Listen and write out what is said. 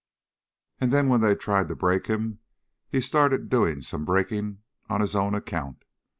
And then when they tried to break him he started doing some breaking on his own account.